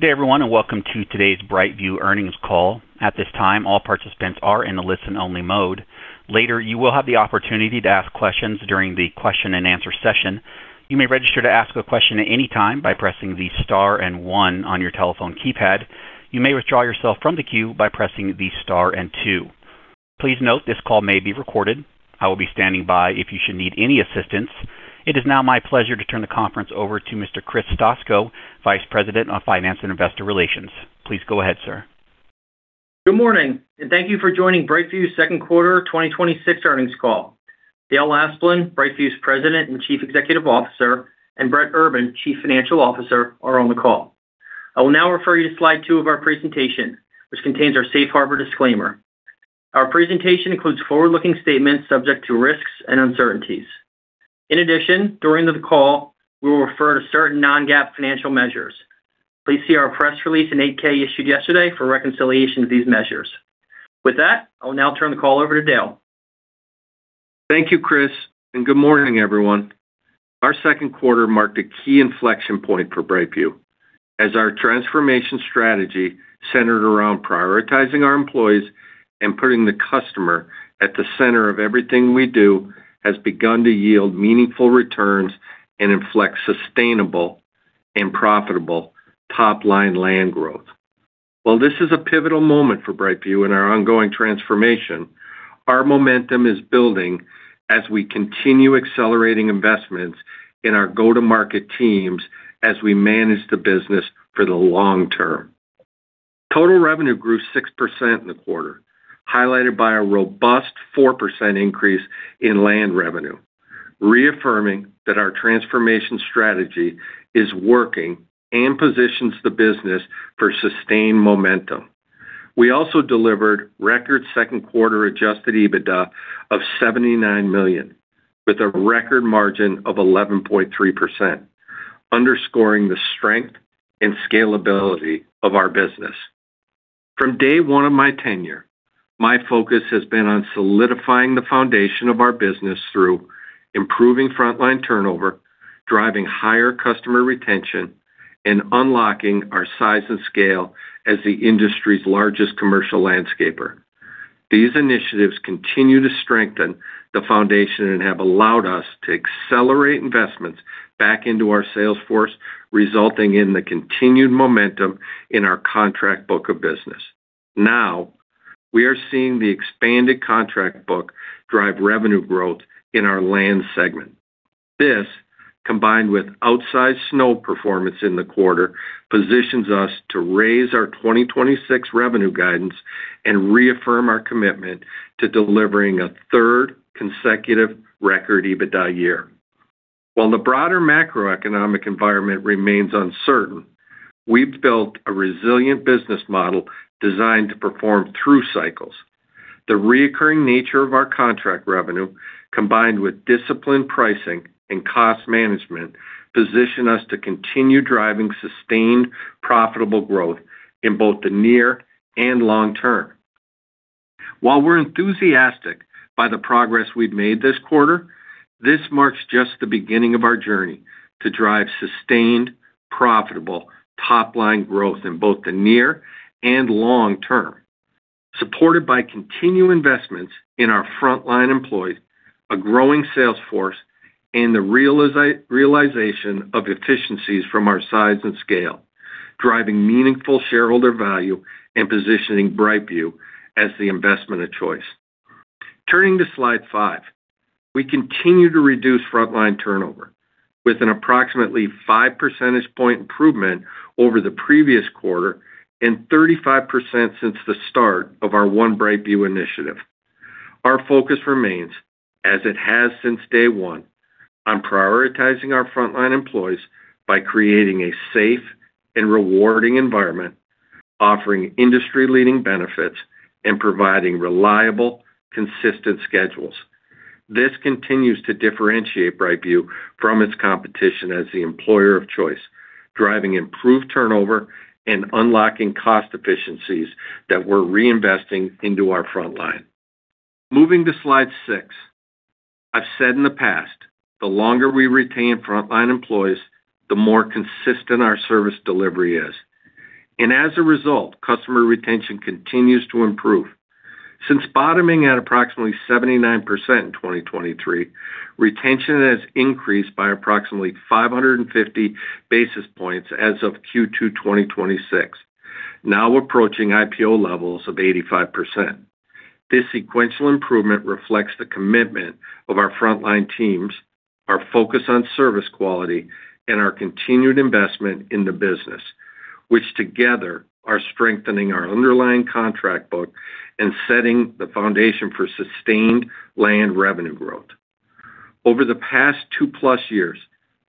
Good day, everyone, and welcome to today's BrightView earnings call. At this time, all participants are in a listen-only mode. Later, you will have the opportunity to ask questions during the question-and-answer session. You may register to ask a question at any time by pressing the star and One on your telephone keypad. You may withdraw yourself from the queue by pressing the star and two. Please note this call may be recorded. I will be standing by if you should need any assistance. It is now my pleasure to turn the conference over to Mr. Chris Stoczko, Vice President of Finance and Investor Relations. Please go ahead, sir. Good morning, thank you for joining BrightView's second quarter 2026 earnings call. Dale Asplund, BrightView's President and Chief Executive Officer, and Brett Urban, Chief Financial Officer, are on the call. I will now refer you to slide two of our presentation, which contains our Safe Harbor disclaimer. Our presentation includes forward-looking statements subject to risks and uncertainties. In addition, during the call, we will refer to certain non-GAAP financial measures. Please see our press release and 8-K issued yesterday for reconciliation of these measures. With that, I'll now turn the call over to Dale. Thank you, Chris, and good morning, everyone. Our second quarter marked a key inflection point for BrightView as our transformation strategy centered around prioritizing our employees and putting the customer at the center of everything we do has begun to yield meaningful returns and inflect sustainable and profitable top-line land growth. While this is a pivotal moment for BrightView and our ongoing transformation, our momentum is building as we continue accelerating investments in our go-to-market teams as we manage the business for the long term. Total revenue grew 6% in the quarter, highlighted by a robust 4% increase in land revenue, reaffirming that our transformation strategy is working and positions the business for sustained momentum. We also delivered record second quarter adjusted EBITDA of $79 million with a record margin of 11.3%, underscoring the strength and scalability of our business. From day one of my tenure, my focus has been on solidifying the foundation of our business through improving frontline turnover, driving higher customer retention, and unlocking our size and scale as the industry's largest commercial landscaper. These initiatives continue to strengthen the foundation and have allowed us to accelerate investments back into our sales force, resulting in the continued momentum in our contract book of business. Now, we are seeing the expanded contract book drive revenue growth in our land segment. This, combined with outsized snow performance in the quarter, positions us to raise our 2026 revenue guidance and reaffirm our commitment to delivering a third consecutive record EBITDA year. While the broader macroeconomic environment remains uncertain, we've built a resilient business model designed to perform through cycles. The recurring nature of our contract revenue, combined with disciplined pricing and cost management, position us to continue driving sustained, profitable growth in both the near and long term. While we're enthusiastic about the progress we've made this quarter, this marks just the beginning of our journey to drive sustained, profitable top-line growth in both the near and long term, supported by continued investments in our frontline employees, a growing sales force, and the realization of efficiencies from our size and scale, driving meaningful shareholder value and positioning BrightView as the investment of choice. Turning to slide five. We continue to reduce frontline turnover with an approximately five percentage point improvement over the previous quarter and 35% since the start of our One BrightView initiative. Our focus remains, as it has since day one, on prioritizing our frontline employees by creating a safe and rewarding environment, offering industry-leading benefits, and providing reliable, consistent schedules. This continues to differentiate BrightView from its competition as the employer of choice, driving improved turnover and unlocking cost efficiencies that we're reinvesting into our frontline. Moving to slide six. I've said in the past, the longer we retain frontline employees, the more consistent our service delivery is, and as a result, customer retention continues to improve. Since bottoming at approximately 79% in 2023, retention has increased by approximately 550 basis points as of Q2 2026, now approaching IPO levels of 85%. This sequential improvement reflects the commitment of our frontline teams, our focus on service quality, and our continued investment in the business, which together are strengthening our underlying contract book and setting the foundation for sustained land revenue growth. Over the past two plus years,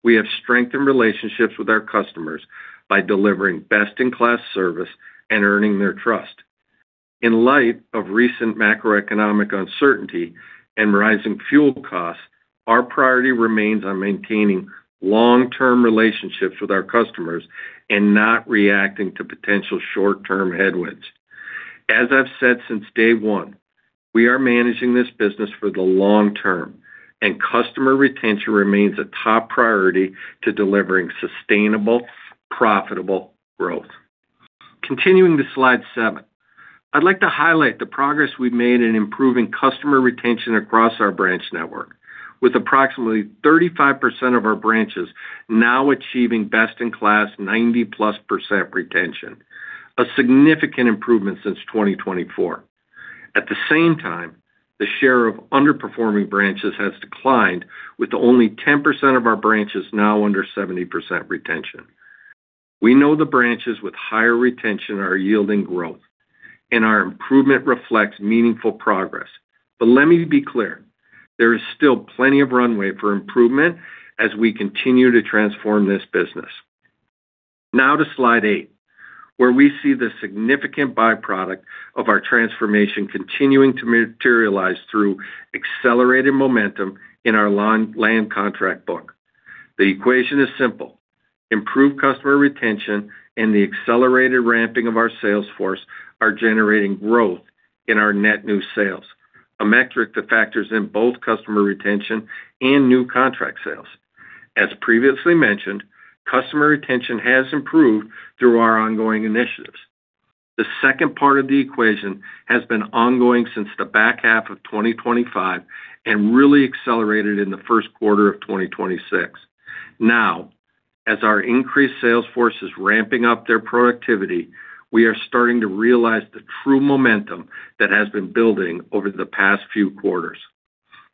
we have strengthened relationships with our customers by delivering best-in-class service and earning their trust. In light of recent macroeconomic uncertainty and rising fuel costs, our priority remains on maintaining long-term relationships with our customers and not reacting to potential short-term headwinds. As I've said since day one, we are managing this business for the long term, and customer retention remains a top priority to delivering sustainable, profitable growth. Continuing to slide seven. I'd like to highlight the progress we've made in improving customer retention across our branch network with approximately 35% of our branches now achieving best-in-class 90%+ retention, a significant improvement since 2024. At the same time, the share of underperforming branches has declined with only 10% of our branches now under 70% retention. We know the branches with higher retention are yielding growth, and our improvement reflects meaningful progress. Let me be clear, there is still plenty of runway for improvement as we continue to transform this business. Now to slide eight, where we see the significant byproduct of our transformation continuing to materialize through accelerated momentum in our land contract book. The equation is simple. Improved customer retention and the accelerated ramping of our sales force are generating growth in our net new sales, a metric that factors in both customer retention and new contract sales. As previously mentioned, customer retention has improved through our ongoing initiatives. The second part of the equation has been ongoing since the back half of 2025 and really accelerated in the first quarter of 2026. Now, as our increased sales force is ramping up their productivity, we are starting to realize the true momentum that has been building over the past few quarters.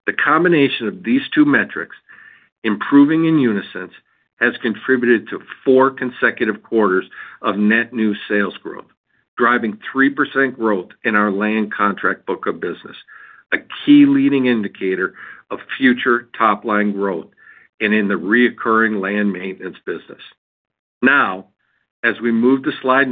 The combination of these two metrics improving in unison has contributed to four consecutive quarters of net new sales growth, driving 3% growth in our land contract book of business, a key leading indicator of future top-line growth and in the recurring landscape maintenance business. Now, as we move to slide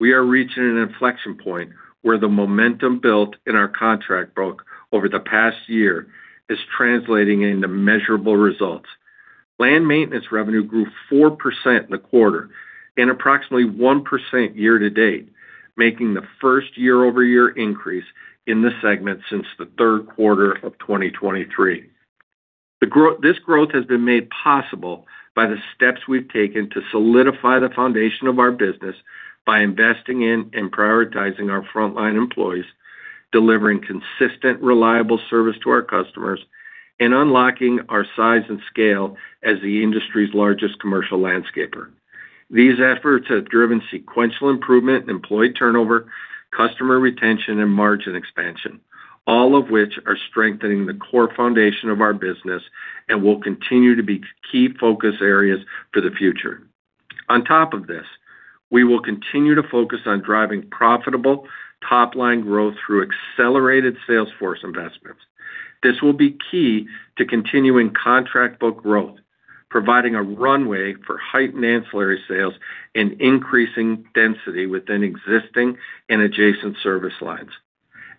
nine, we are reaching an inflection point where the momentum built in our contract book over the past year is translating into measurable results. Landscape maintenance revenue grew 4% in the quarter and approximately 1% year to date, making the first year-over-year increase in this segment since the third quarter of 2023. This growth has been made possible by the steps we've taken to solidify the foundation of our business by investing in and prioritizing our frontline employees, delivering consistent, reliable service to our customers, and unlocking our size and scale as the industry's largest commercial landscaper. These efforts have driven sequential improvement in employee turnover, customer retention, and margin expansion, all of which are strengthening the core foundation of our business and will continue to be key focus areas for the future. On top of this, we will continue to focus on driving profitable top-line growth through accelerated sales force investments. This will be key to continuing contract book growth, providing a runway for heightened ancillary sales and increasing density within existing and adjacent service lines.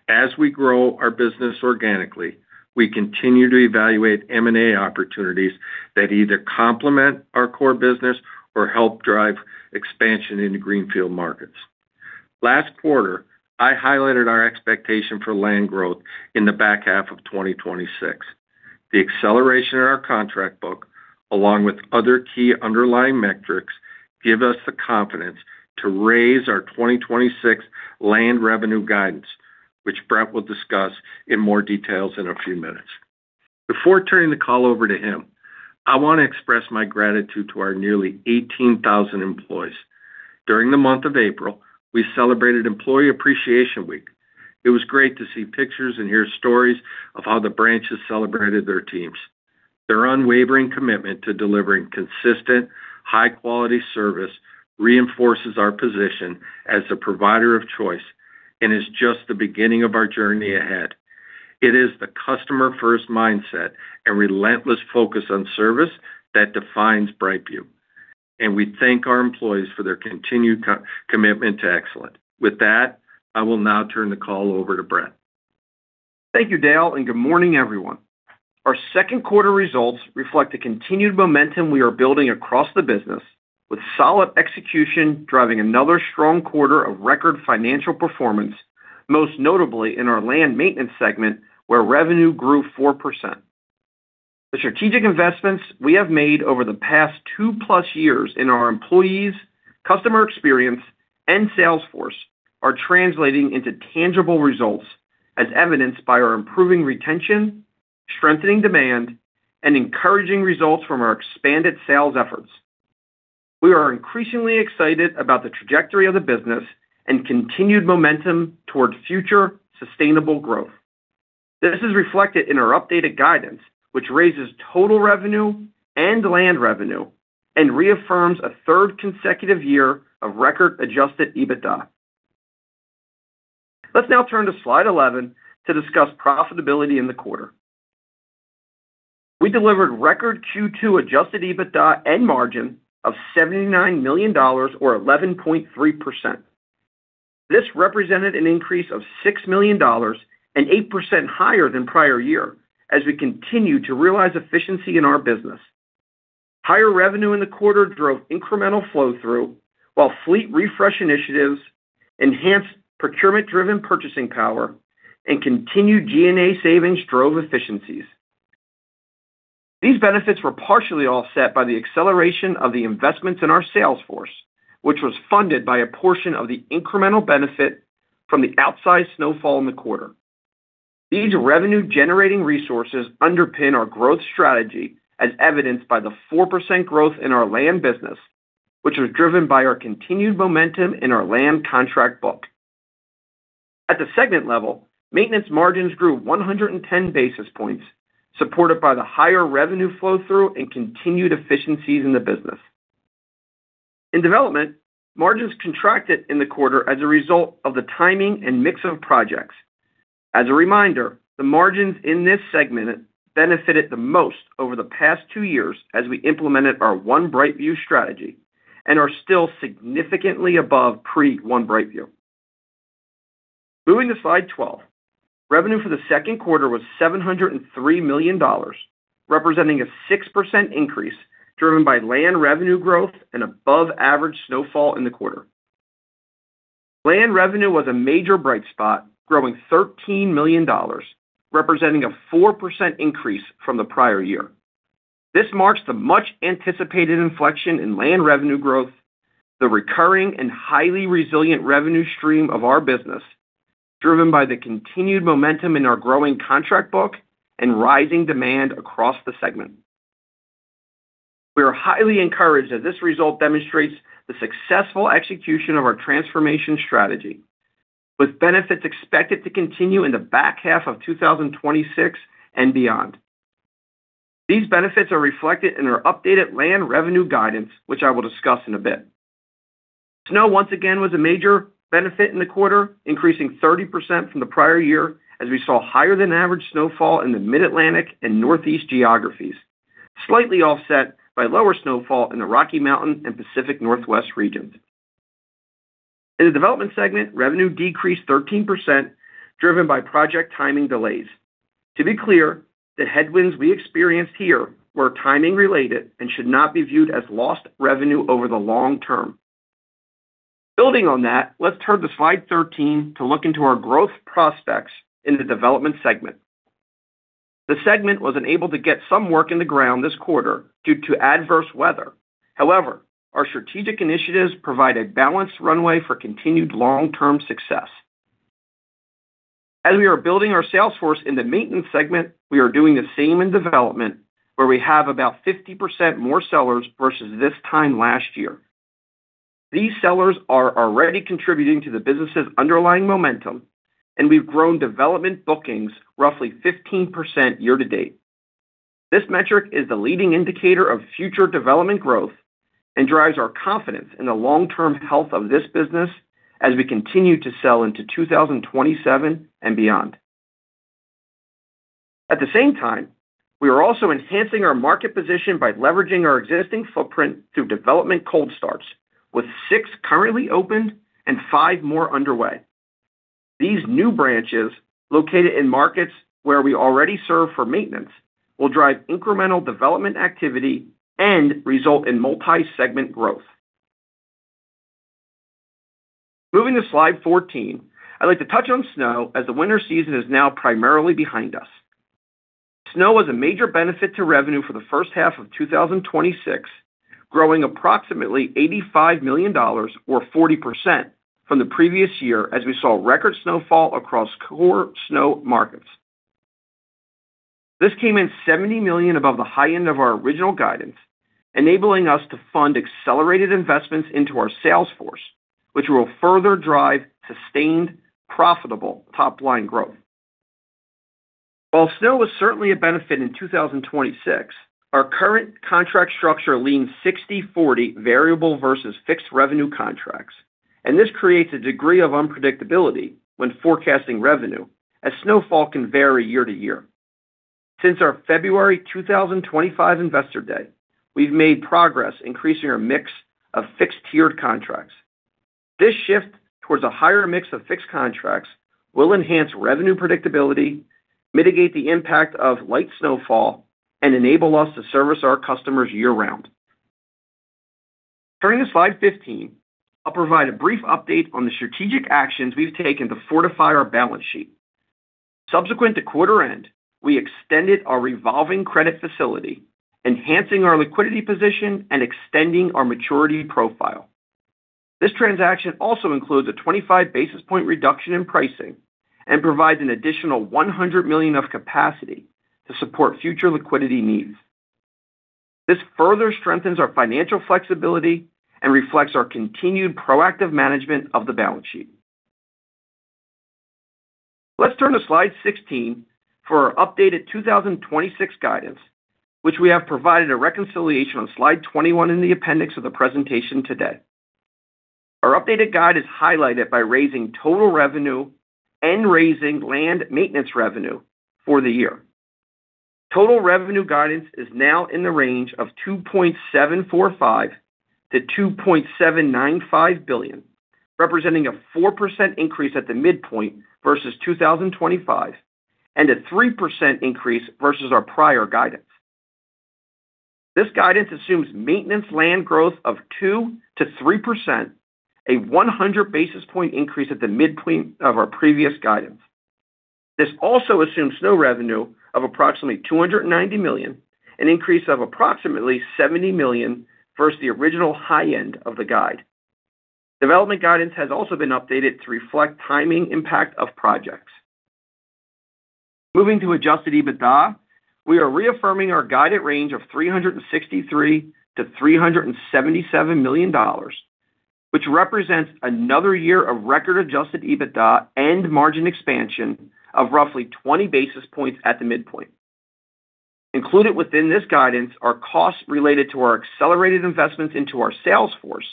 As we grow our business organically, we continue to evaluate M&A opportunities that either complement our core business or help drive expansion into greenfield markets. Last quarter, I highlighted our expectation for land growth in the back half of 2026. The acceleration in our contract book, along with other key underlying metrics, give us the confidence to raise our 2026 Landscape Development revenue guidance, which Brett Urban will discuss in more details in a few minutes. Before turning the call over to him, I want to express my gratitude to our nearly 18,000 employees. During the month of April, we celebrated Employee Appreciation Week. It was great to see pictures and hear stories of how the branches celebrated their teams. Their unwavering commitment to delivering consistent, high-quality service reinforces our position as a provider of choice and is just the beginning of our journey ahead. It is the customer-first mindset and relentless focus on service that defines BrightView, and we thank our employees for their continued commitment to excellence. With that, I will now turn the call over to Brett. Thank you, Dale, and good morning, everyone. Our second quarter results reflect the continued momentum we are building across the business with solid execution driving another strong quarter of record financial performance, most notably in our land maintenance segment, where revenue grew 4%. The strategic investments we have made over the past two-plus years in our employees, customer experience, and sales force are translating into tangible results, as evidenced by our improving retention, strengthening demand, and encouraging results from our expanded sales efforts. We are increasingly excited about the trajectory of the business and continued momentum toward future sustainable growth. This is reflected in our updated guidance, which raises total revenue and land revenue and reaffirms a third consecutive year of record adjusted EBITDA. Let's now turn to slide 11 to discuss profitability in the quarter. We delivered record Q2 adjusted EBITDA and margin of $79 million or 11.3%. This represented an increase of $6 million and 8% higher than prior year as we continue to realize efficiency in our business. Higher revenue in the quarter drove incremental flow through, while fleet refresh initiatives enhanced procurement-driven purchasing power and continued G&A savings drove efficiencies. These benefits were partially offset by the acceleration of the investments in our sales force, which was funded by a portion of the incremental benefit from the outsized snowfall in the quarter. These revenue-generating resources underpin our growth strategy, as evidenced by the 4% growth in our land business, which was driven by our continued momentum in our land contract book. At the segment level, maintenance margins grew 110 basis points, supported by the higher revenue flow through and continued efficiencies in the business. In development, margins contracted in the quarter as a result of the timing and mix of projects. As a reminder, the margins in this segment benefited the most over the past two years as we implemented our One BrightView strategy and are still significantly above pre-One BrightView. Moving to slide 12, revenue for the second quarter was $703 million, representing a 6% increase driven by land revenue growth and above-average snowfall in the quarter. Land revenue was a major bright spot, growing $13 million, representing a 4% increase from the prior year. This marks the much-anticipated inflection in land revenue growth, the recurring and highly resilient revenue stream of our business, driven by the continued momentum in our growing contract book and rising demand across the segment. We are highly encouraged that this result demonstrates the successful execution of our transformation strategy, with benefits expected to continue in the back half of 2026 and beyond. These benefits are reflected in our updated land revenue guidance, which I will discuss in a bit. Snow, once again, was a major benefit in the quarter, increasing 30% from the prior year as we saw higher-than-average snowfall in the Mid-Atlantic and Northeast geographies, slightly offset by lower snowfall in the Rocky Mountain and Pacific Northwest regions. In the development segment, revenue decreased 13%, driven by project timing delays. To be clear, the headwinds we experienced here were timing related and should not be viewed as lost revenue over the long term. Building on that, let's turn to slide 13 to look into our growth prospects in the development segment. The segment was unable to get some work in the ground this quarter due to adverse weather. However, our strategic initiatives provide a balanced runway for continued long-term success. As we are building our sales force in the maintenance segment, we are doing the same in development, where we have about 50% more sellers versus this time last year. These sellers are already contributing to the business's underlying momentum, and we've grown development bookings roughly 15% year to date. This metric is the leading indicator of future development growth and drives our confidence in the long-term health of this business as we continue to sell into 2027 and beyond. At the same time, we are also enhancing our market position by leveraging our existing footprint through development cold starts, with six currently opened and five more underway. These new branches, located in markets where we already serve for maintenance, will drive incremental development activity and result in multi-segment growth. Moving to slide 14, I'd like to touch on snow as the winter season is now primarily behind us. Snow was a major benefit to revenue for the first half of 2026, growing approximately $85 million or 40% from the previous year as we saw record snowfall across core snow markets. This came in $70 million above the high end of our original guidance, enabling us to fund accelerated investments into our sales force, which will further drive sustained, profitable top-line growth. While snow was certainly a benefit in 2026, our current contract structure leans 60/40 variable versus fixed revenue contracts. This creates a degree of unpredictability when forecasting revenue as snowfall can vary year to year. Since our February 2025 investor day, we've made progress increasing our mix of fixed-tiered contracts. This shift towards a higher mix of fixed contracts will enhance revenue predictability, mitigate the impact of light snowfall, and enable us to service our customers year-round. Turning to slide 15, I'll provide a brief update on the strategic actions we've taken to fortify our balance sheet. Subsequent to quarter end, we extended our revolving credit facility, enhancing our liquidity position and extending our maturity profile. This transaction also includes a 25 basis point reduction in pricing and provides an additional $100 million of capacity to support future liquidity needs. This further strengthens our financial flexibility and reflects our continued proactive management of the balance sheet. Let's turn to slide 16 for our updated 2026 guidance, which we have provided a reconciliation on slide 21 in the appendix of the presentation today. Our updated guide is highlighted by raising total revenue and raising land maintenance revenue for the year. Total revenue guidance is now in the range of $2.745 billion-$2.795 billion, representing a 4% increase at the midpoint versus 2025. A 3% increase versus our prior guidance. This guidance assumes maintenance land growth of 2% to 3%, a 100 basis point increase at the midpoint of our previous guidance. This also assumes snow revenue of approximately $290 million, an increase of approximately $70 million versus the original high end of the guide. Development guidance has also been updated to reflect timing impact of projects. Moving to adjusted EBITDA, we are reaffirming our guided range of $363 million-$377 million, which represents another year of record adjusted EBITDA and margin expansion of roughly 20 basis points at the midpoint. Included within this guidance are costs related to our accelerated investments into our sales force,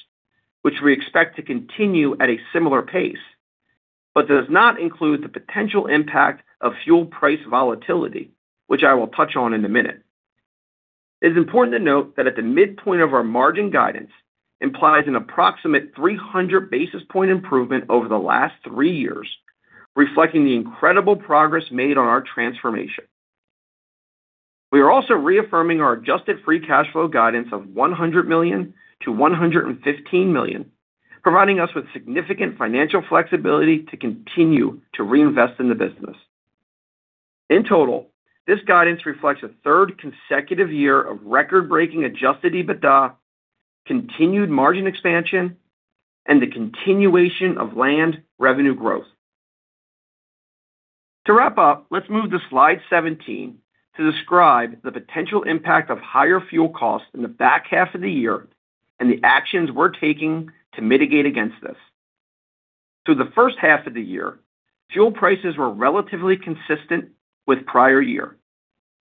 which we expect to continue at a similar pace, but does not include the potential impact of fuel price volatility, which I will touch on in a minute. It is important to note that at the midpoint of our margin guidance implies an approximate 300 basis point improvement over the last three years, reflecting the incredible progress made on our transformation. We are also reaffirming our Adjusted Free Cash Flow guidance of $100 million-$115 million, providing us with significant financial flexibility to continue to reinvest in the business. This guidance reflects a third consecutive year of record-breaking adjusted EBITDA, continued margin expansion, and the continuation of landscape revenue growth. To wrap up, let's move to slide 17 to describe the potential impact of higher fuel costs in the back half of the year and the actions we're taking to mitigate against this. Through the first half of the year, fuel prices were relatively consistent with prior year.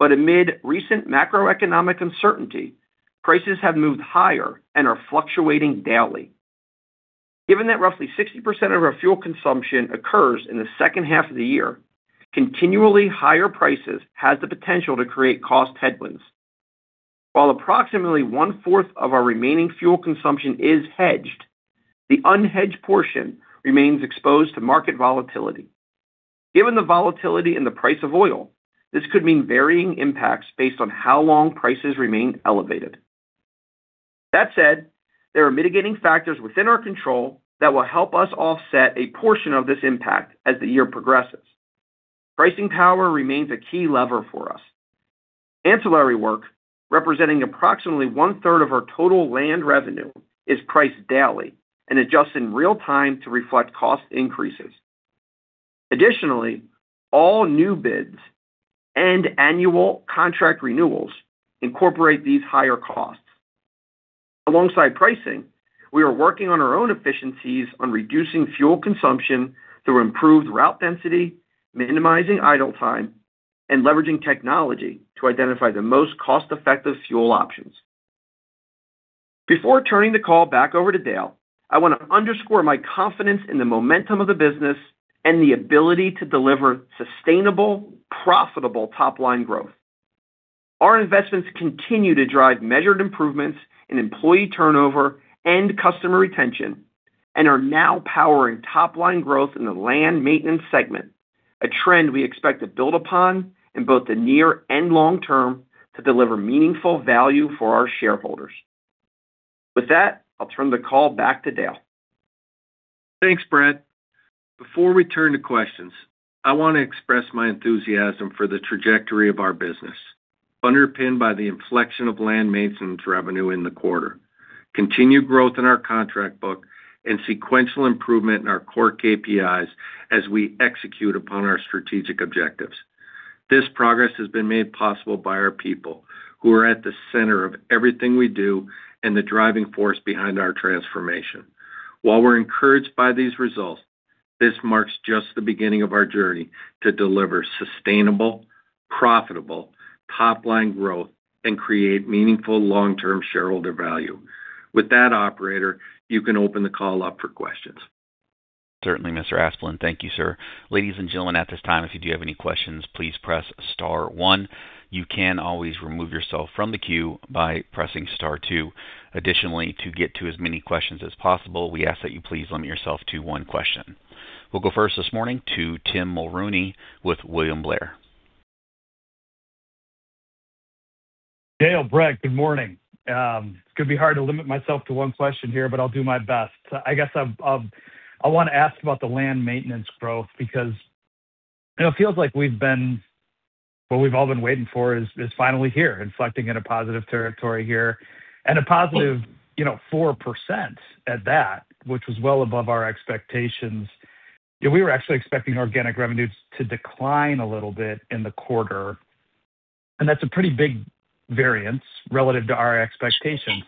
Amid recent macroeconomic uncertainty, prices have moved higher and are fluctuating daily. Given that roughly 60% of our fuel consumption occurs in the second half of the year, continually higher prices has the potential to create cost headwinds. While approximately one-fourth of our remaining fuel consumption is hedged, the unhedged portion remains exposed to market volatility. Given the volatility in the price of oil, this could mean varying impacts based on how long prices remain elevated. That said, there are mitigating factors within our control that will help us offset a portion of this impact as the year progresses. Pricing power remains a key lever for us. Ancillary work, representing approximately 1/3 of our total land revenue, is priced daily and adjusts in real time to reflect cost increases. Additionally, all new bids and annual contract renewals incorporate these higher costs. Alongside pricing, we are working on our own efficiencies on reducing fuel consumption through improved route density, minimizing idle time, and leveraging technology to identify the most cost-effective fuel options. Before turning the call back over to Dale, I want to underscore my confidence in the momentum of the business and the ability to deliver sustainable, profitable top-line growth. Our investments continue to drive measured improvements in employee turnover and customer retention and are now powering top-line growth in the land maintenance segment, a trend we expect to build upon in both the near and long term to deliver meaningful value for our shareholders. With that, I'll turn the call back to Dale. Thanks, Brett. Before we turn to questions, I want to express my enthusiasm for the trajectory of our business, underpinned by the inflection of Landscape Maintenance revenue in the quarter, continued growth in our contract book, and sequential improvement in our core KPIs as we execute upon our strategic objectives. This progress has been made possible by our people, who are at the center of everything we do and the driving force behind our transformation. While we're encouraged by these results, this marks just the beginning of our journey to deliver sustainable, profitable, top-line growth and create meaningful long-term shareholder value. With that operator, you can open the call up for questions. Certainly, Mr. Asplund. Thank you, sir. Ladies and gentlemen, at this time, if you do have any questions, please press star one. You can always remove yourself from the queue by pressing star two. Additionally, to get to as many questions as possible, we ask that you please limit yourself to one question. We'll go first this morning to Tim Mulrooney with William Blair. Dale, Brett, good morning. It's gonna be hard to limit myself to one question here, but I'll do my best. I guess I've I want to ask about the Landscape Maintenance growth because it feels like what we've all been waiting for is finally here, inflecting in a positive territory here and a positive, you know, 4% at that, which was well above our expectations. We were actually expecting organic revenues to decline a little bit in the quarter. That's a pretty big variance relative to our expectations.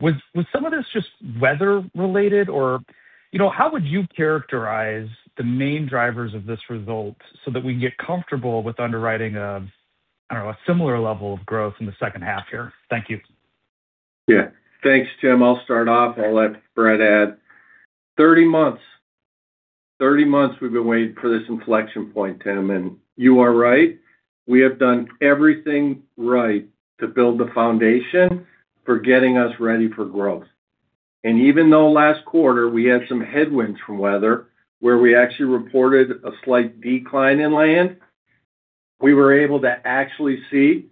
Was some of this just weather related or, you know, how would you characterize the main drivers of this result so that we can get comfortable with underwriting a, I don't know, a similar level of growth in the second half here? Thank you. Yeah. Thanks, Tim. I'll start off. I'll let Brett add. 30 months. 30 months we've been waiting for this inflection point, Tim, you are right. We have done everything right to build the foundation for getting us ready for growth. Even though last quarter we had some headwinds from weather where we actually reported a slight decline in land, we were able to actually see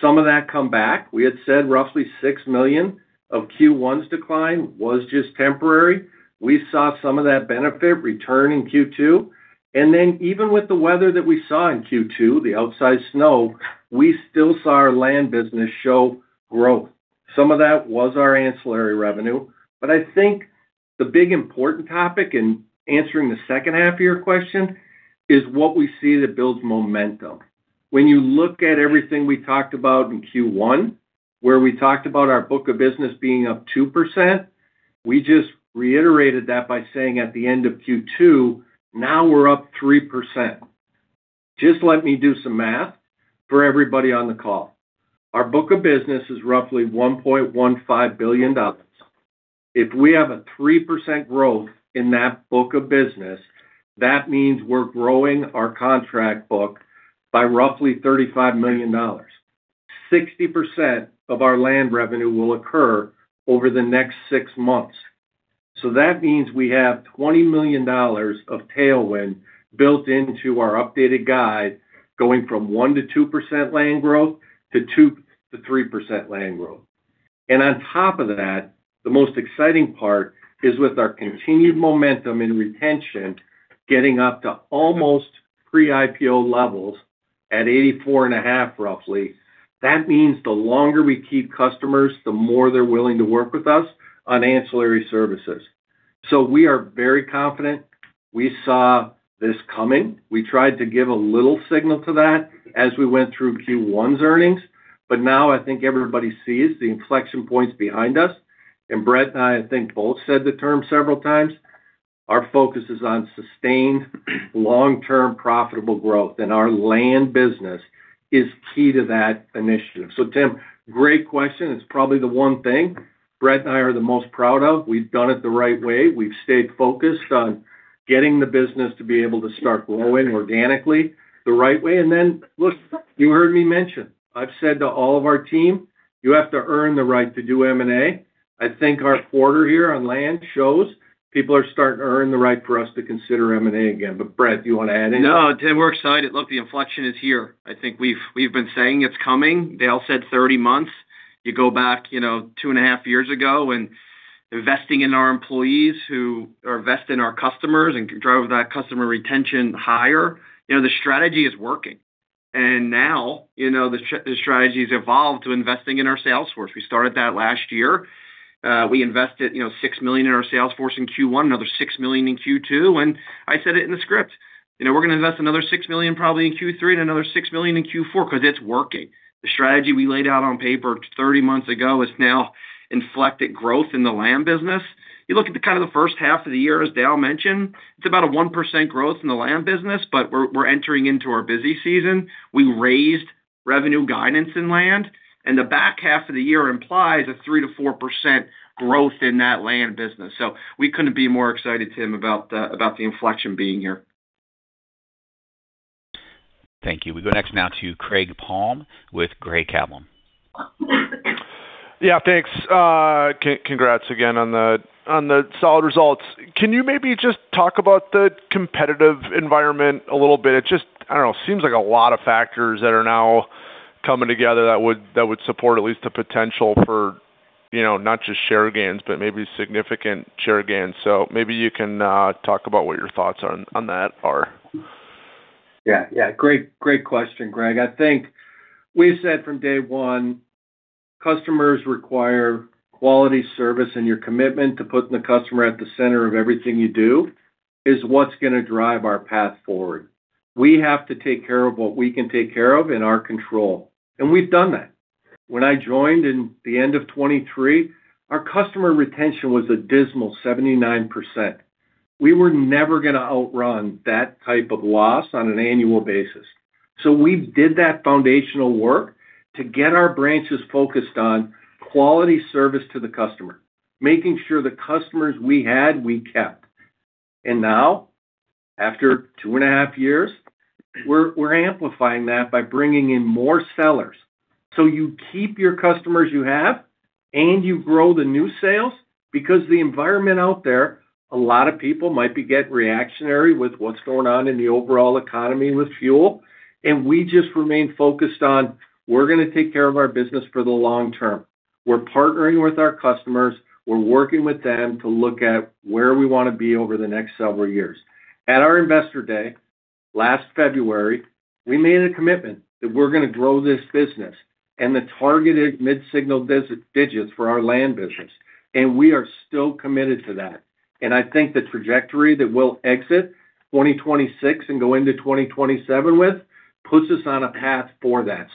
some of that come back. We had said roughly $6 million of Q1's decline was just temporary. We saw some of that benefit return in Q2. Even with the weather that we saw in Q2, the outside snow, we still saw our land business show growth. Some of that was our ancillary revenue. I think the big important topic in answering the second half of your question is what we see that builds momentum. When you look at everything we talked about in Q1, where we talked about our book of business being up 2%, we just reiterated that by saying at the end of Q2, now we're up 3%. Let me do some math for everybody on the call. Our book of business is roughly $1.15 billion. If we have a 3% growth in that book of business, that means we're growing our contract book by roughly $35 million. 60% of our land revenue will occur over the next six months. That means we have $20 million of tailwind built into our updated guide, going from 1%-2% land growth to 2%-3% land growth. On top of that, the most exciting part is with our continued momentum in retention, getting up to almost pre-IPO levels at 84.5, roughly. That means the longer we keep customers, the more they're willing to work with us on ancillary services. We are very confident. We saw this coming. We tried to give a little signal to that as we went through Q1's earnings, but now I think everybody sees the inflection points behind us. Brett and I think, both said the term several times, our focus is on sustained long-term profitable growth, and our land business is key to that initiative. Tim, great question. It's probably the one thing Brett and I are the most proud of. We've done it the right way. We've stayed focused on getting the business to be able to start growing organically the right way. Look, you heard me mention, I've said to all of our team, you have to earn the right to do M&A. I think our quarter here on land shows people are starting to earn the right for us to consider M&A again. Brett, do you wanna add anything? Tim, we're excited. The inflection is here. I think we've been saying it's coming. Dale said 30 months. You go back, you know, two and a half years ago when investing in our employees who invest in our customers and drive that customer retention higher, you know, the strategy is working. Now, you know, the strategy has evolved to investing in our sales force. We started that last year. We invested, you know, $6 million in our sales force in Q1, another $6 million in Q2. I said it in the script, you know, we're going to invest another $6 million probably in Q3 and another $6 million in Q4 because it's working. The strategy we laid out on paper 30 months ago has now inflected growth in the land business. You look at the kind of the first half of the year, as Dale mentioned, it's about a 1% growth in the land business. We're entering into our busy season. We raised revenue guidance in land. The back half of the year implies a 3%-4% growth in that land business. We couldn't be more excited, Tim, about the inflection being here. Thank you. We go next now to Greg Palm with Craig-Hallum. Thanks. Congrats again on the solid results. Can you maybe just talk about the competitive environment a little bit? It just, I don't know, seems like a lot of factors that are now coming together that would support at least the potential for, you know, not just share gains, but maybe significant share gains. Maybe you can talk about what your thoughts on that are. Yeah. Yeah. Great, great question, Greg. I think we've said from day one, customers require quality service, and your commitment to putting the customer at the center of everything you do is what's gonna drive our path forward. We have to take care of what we can take care of in our control, and we've done that. When I joined in the end of 2023, our customer retention was a dismal 79%. We were never gonna outrun that type of loss on an annual basis. We did that foundational work to get our branches focused on quality service to the customer, making sure the customers we had, we kept. Now, after two and a half years, we're amplifying that by bringing in more sellers. You keep your customers you have and you grow the new sales because the environment out there, a lot of people might be getting reactionary with what's going on in the overall economy with fuel, and we just remain focused on, we're going to take care of our business for the long term. We're partnering with our customers. We're working with them to look at where we want to be over the next several years. At our investor day last February, we made a commitment that we're going to grow this business and the targeted mid-single digits for our land business, we are still committed to that. I think the trajectory that we'll exit 2026 and go into 2027 with puts us on a path for that.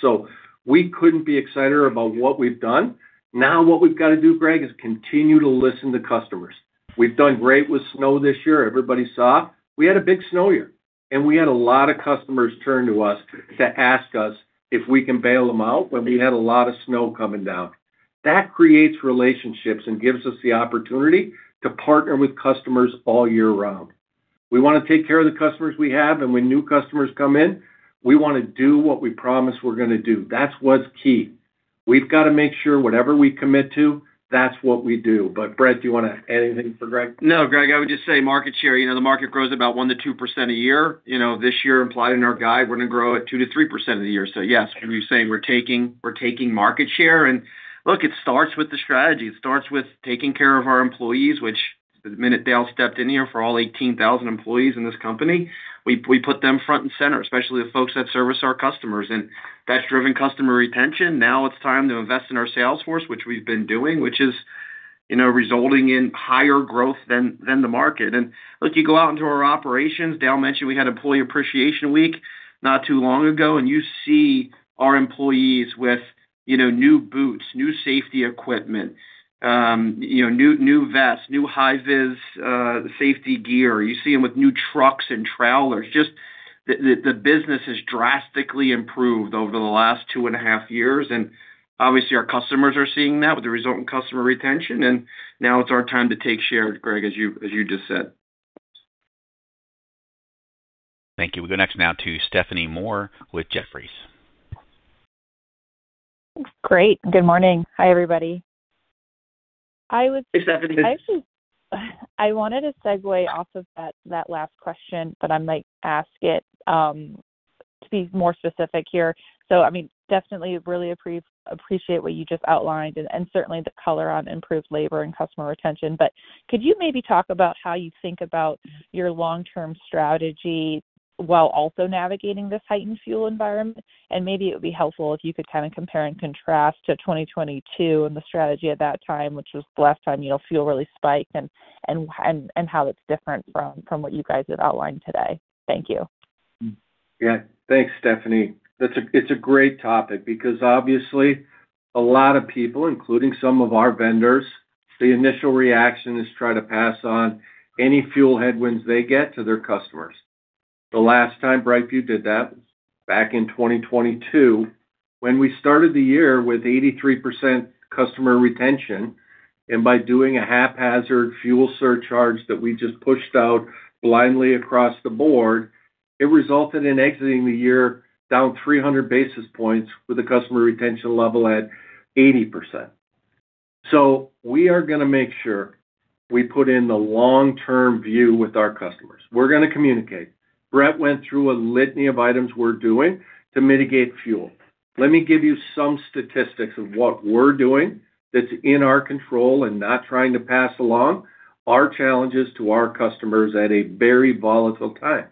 We couldn't be excited about what we've done. Now, what we've got to do, Greg Palm, is continue to listen to customers. We've done great with snow this year. Everybody saw. We had a big snow year, and we had a lot of customers turn to us to ask us if we can bail them out when we had a lot of snow coming down. That creates relationships and gives us the opportunity to partner with customers all year round. We want to take care of the customers we have, and when new customers come in, we want to do what we promise we're gonna do. That's what's key. We've got to make sure whatever we commit to, that's what we do. Brett, do you want to add anything for Greg? Greg, I would just say market share. You know, the market grows about 1%-2% a year. You know, this year implied in our guide, we're going to grow at 2%-3% of the year. Yes, we were saying we're taking market share. Look, it starts with the strategy. It starts with taking care of our employees, which the minute Dale stepped in here for all 18,000 employees in this company, we put them front and center, especially the folks that service our customers. That's driven customer retention. Now it's time to invest in our sales force, which we've been doing, which is, you know, resulting in higher growth than the market. Look, you go out into our operations. Dale mentioned we had employee appreciation week not too long ago, and you see our employees with, you know, new boots, new safety equipment, you know, new vests, new high vis safety gear. You see them with new trucks and trailers. The business has drastically improved over the last two and a half years. Obviously, our customers are seeing that with the result in customer retention. Now it's our time to take share, Greg, as you just said. Thank you. We go next now to Stephanie Moore with Jefferies. Great. Good morning. Hi, everybody. Hey, Stephanie. I wanted to segue off of that last question. I might ask it to be more specific here. I mean, definitely really appreciate what you just outlined and certainly the color on improved labor and customer retention. Could you maybe talk about how you think about your long-term strategy while also navigating this heightened fuel environment? Maybe it would be helpful if you could kind of compare and contrast to 2022 and the strategy at that time, which was the last time, you know, fuel really spiked and how it's different from what you guys have outlined today. Thank you. Yeah. Thanks, Stephanie. That's it's a great topic because obviously a lot of people, including some of our vendors, the initial reaction is try to pass on any fuel headwinds they get to their customers. The last time BrightView did that back in 2022, when we started the year with 83% customer retention, and by doing a haphazard fuel surcharge that we just pushed out blindly across the board, it resulted in exiting the year down 300 basis points with a customer retention level at 80%. We are gonna make sure we put in the long-term view with our customers. We're gonna communicate. Brett went through a litany of items we're doing to mitigate fuel. Let me give you some statistics of what we're doing that's in our control and not trying to pass along our challenges to our customers at a very volatile time.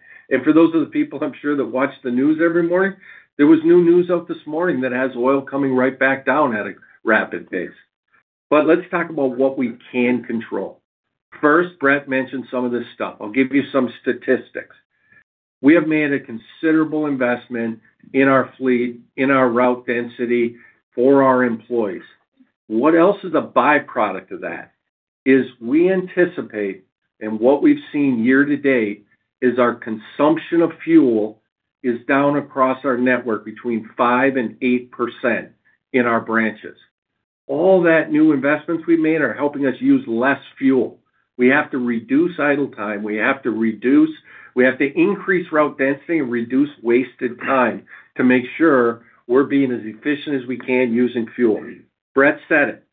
For those of the people, I'm sure, that watch the news every morning, there was new news out this morning that has oil coming right back down at a rapid pace. Let's talk about what we can control. First, Brett mentioned some of this stuff. I'll give you some statistics. We have made a considerable investment in our fleet, in our route density for our employees. What else is a byproduct of that? Is we anticipate, and what we've seen year to date, is our consumption of fuel is down across our network between 5% and 8% in our branches. All that new investments we made are helping us use less fuel. We have to reduce idle time. We have to increase route density and reduce wasted time to make sure we're being as efficient as we can using fuel. Brett said it.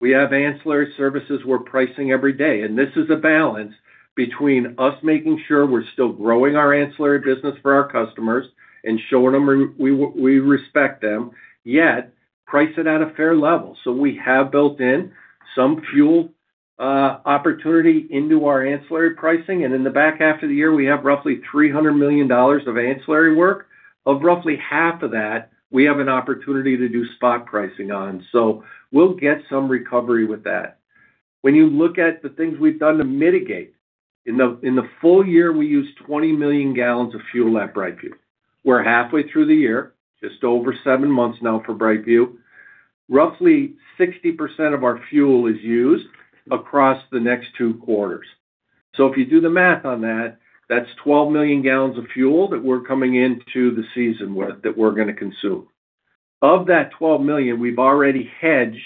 We have ancillary services we're pricing every day, and this is a balance between us making sure we're still growing our ancillary business for our customers and showing them we respect them, yet price it at a fair level. We have built in some fuel opportunity into our ancillary pricing. In the back half of the year, we have roughly $300 million of ancillary work. Of roughly half of that, we have an opportunity to do spot pricing on. We'll get some recovery with that. When you look at the things we've done to mitigate, in the full year, we used 20 million gallons of fuel at BrightView. We're halfway through the year, just over seven months now for BrightView. Roughly 60% of our fuel is used across the next two quarters. If you do the math on that's 12 million gallons of fuel that we're coming into the season with that we're going to consume. Of that 12 million, we've already hedged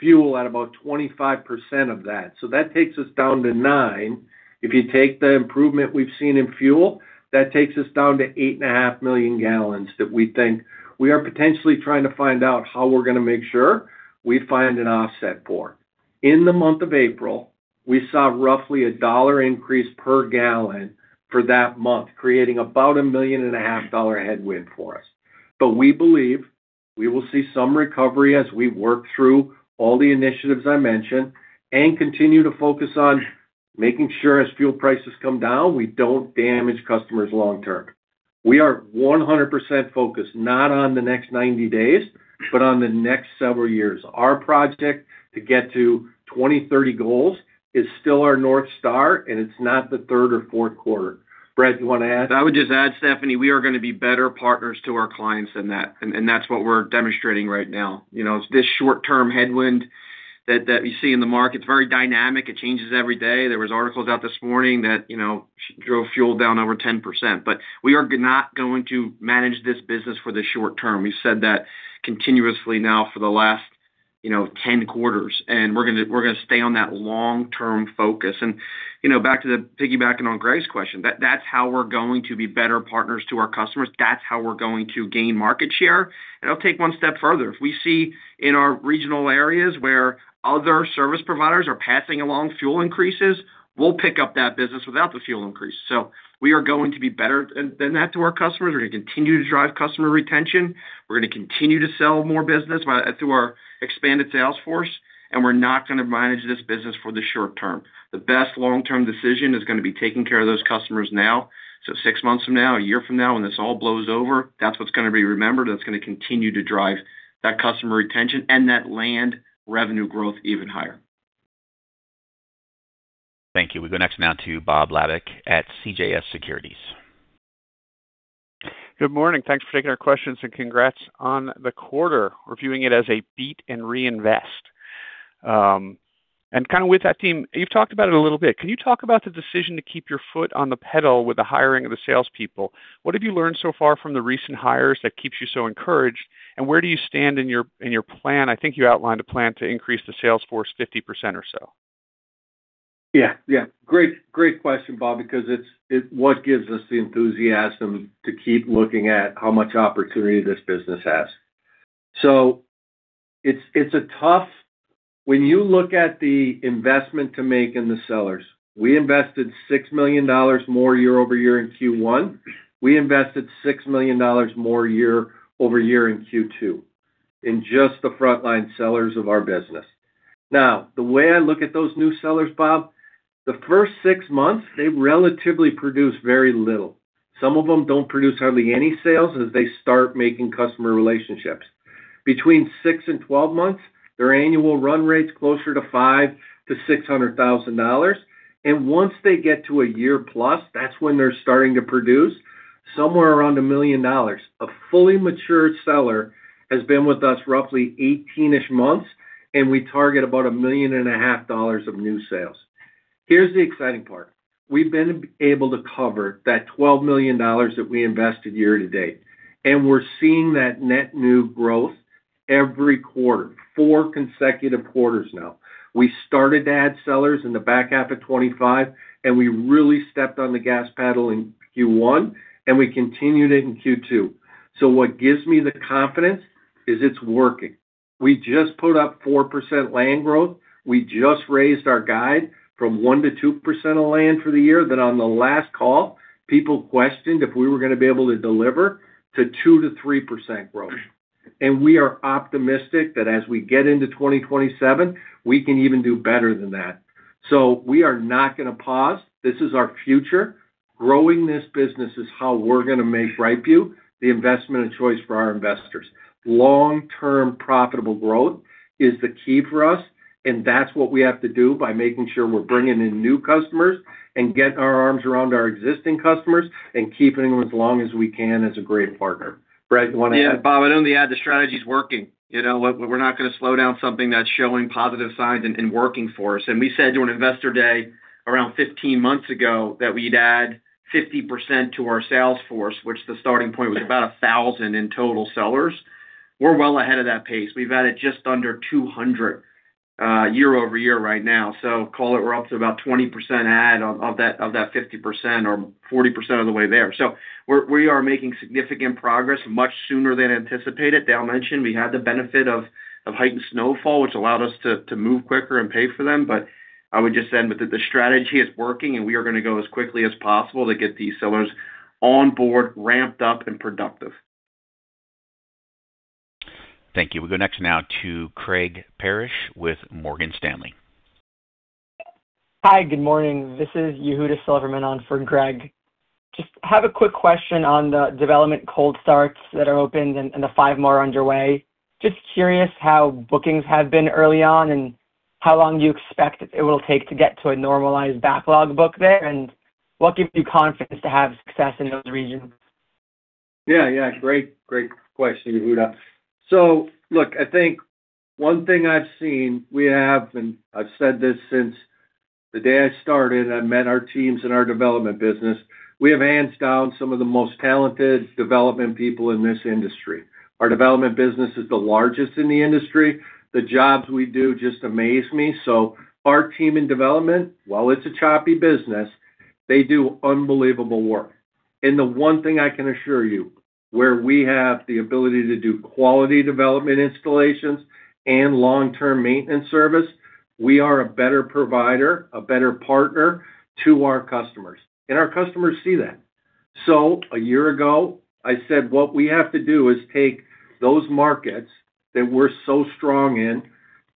fuel at about 25% of that. That takes us down to nine. If you take the improvement we've seen in fuel, that takes us down to 8.5 million gallons that we think we are potentially trying to find out how we're going to make sure we find an offset for. In the month of April, we saw roughly a $1 increase per gallon for that month, creating about a million and a half dollar headwind for us. We believe we will see some recovery as we work through all the initiatives I mentioned and continue to focus on making sure as fuel prices come down, we don't damage customers long term. We are 100% focused not on the next 90 days, but on the next several years. Our project to get to 2030 goals is still our north star, and it's not the third or fourth quarter. Brett, you want to add? I would just add, Stephanie, we are going to be better partners to our clients than that. That's what we're demonstrating right now. You know, this short-term headwind that we see in the market, it's very dynamic. It changes every day. There was articles out this morning that, you know, drove fuel down over 10%. We are not going to manage this business for the short term. We've said that continuously now for the last 10 quarters. We're gonna stay on that long-term focus. You know, back to piggybacking on Greg's question, that's how we're going to be better partners to our customers. That's how we're going to gain market share. I'll take one step further. If we see in our regional areas where other service providers are passing along fuel increases, we'll pick up that business without the fuel increase. We are going to be better than that to our customers. We're gonna continue to drive customer retention. We're gonna continue to sell more business through our expanded sales force, and we're not gonna manage this business for the short term. The best long-term decision is gonna be taking care of those customers now. Six months from now, a year from now, when this all blows over, that's what's gonna be remembered, that's gonna continue to drive that customer retention and that land revenue growth even higher. Thank you. We go next now to Bob Labick at CJS Securities. Good morning. Thanks for taking our questions, congrats on the quarter. We're viewing it as a beat and reinvest. Kind of with that theme, you've talked about it a little bit. Can you talk about the decision to keep your foot on the pedal with the hiring of the salespeople? What have you learned so far from the recent hires that keeps you so encouraged, and where do you stand in your plan? I think you outlined a plan to increase the sales force 50% or so. Great question, Bob, what gives us the enthusiasm to keep looking at how much opportunity this business has. When you look at the investment to make in the sellers, we invested $6 million more year-over-year in Q1. We invested $6 million more year-over-year in Q2 in just the frontline sellers of our business. The way I look at those new sellers, Bob, the first six months, they relatively produce very little. Some of them don't produce hardly any sales as they start making customer relationships. Between six and 12 months, their annual run rate's closer to $500,000-$600,000. Once they get to a year plus, that's when they're starting to produce somewhere around $1 million. A fully matured seller has been with us roughly 18-ish months, and we target about a million and a half dollars of new sales. Here's the exciting part. We've been able to cover that $12 million that we invested year to date, and we're seeing that net new growth every quarter, four consecutive quarters now. We started to add sellers in the back half of 2025, and we really stepped on the gas pedal in Q1, and we continued it in Q2. What gives me the confidence is it's working. We just put up 4% land growth. We just raised our guide from 1%-2% of land for the year that on the last call, people questioned if we were gonna be able to deliver to 2%-3% growth. We are optimistic that as we get into 2027, we can even do better than that. We are not gonna pause. This is our future. Growing this business is how we're gonna make BrightView the investment of choice for our investors. Long-term profitable growth is the key for us, and that's what we have to do by making sure we're bringing in new customers and get our arms around our existing customers and keeping them as long as we can as a great partner. Brett, you wanna add? Yeah. Bob, I'd only add the strategy's working. You know, we're not gonna slow down something that's showing positive signs and working for us. We said during Investor Day around 15 months ago that we'd add 50% to our sales force, which the starting point was about 1,000 in total sellers. We're well ahead of that pace. We've added just under 200 year-over-year right now. Call it we're up to about 20% add of that, of that 50% or 40% of the way there. We are making significant progress much sooner than anticipated. Dale mentioned we had the benefit of heightened snowfall, which allowed us to move quicker and pay for them. I would just end with that the strategy is working, and we are gonna go as quickly as possible to get these sellers on board, ramped up, and productive. Thank you. We go next now to Craig Parish with Morgan Stanley. Hi, good morning. This is Yehuda Silverman on for Greg. Just have a quick question on the development cold starts that are opened and the five more underway. Just curious how bookings have been early on and how long do you expect it will take to get to a normalized backlog book there, and what gives you confidence to have success in those regions? Yeah. Yeah. Great question, Yehuda. Look, I think one thing I've seen, we have, and I've said this since the day I started, I met our teams in our development business. We have, hands down, some of the most talented development people in this industry. Our development business is the largest in the industry. The jobs we do just amaze me. Our team in development, while it's a choppy business, they do unbelievable work. The one thing I can assure you, where we have the ability to do quality development installations and long-term maintenance service, we are a better provider, a better partner to our customers, and our customers see that. A year ago, I said, what we have to do is take those markets that we're so strong in,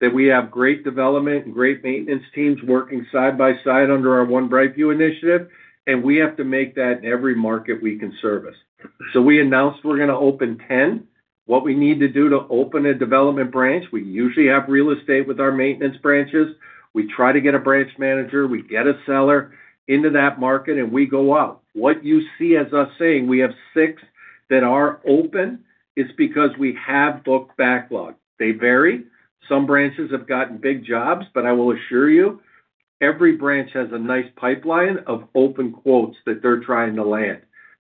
that we have great development and great maintenance teams working side by side under our One BrightView initiative, we have to make that in every market we can service. We announced we're gonna open 10. What we need to do to open a development branch, we usually have real estate with our maintenance branches. We try to get a branch manager. We get a seller into that market, we go up. What you see as us saying we have six that are open is because we have booked backlog. They vary. Some branches have gotten big jobs, I will assure you. Every branch has a nice pipeline of open quotes that they're trying to land.